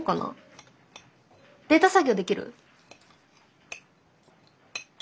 データ作業できる？